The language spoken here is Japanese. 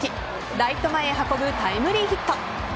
ライト前へ運ぶタイムリーヒット。